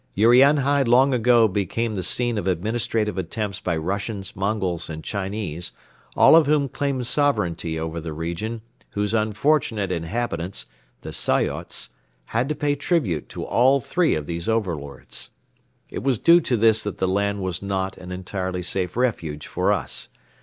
Urianhai long ago became the scene of administrative attempts by Russians, Mongols and Chinese, all of whom claimed sovereignty over the region whose unfortunate inhabitants, the Soyots, had to pay tribute to all three of these overlords. It was due to this that the land was not an entirely safe refuge for us.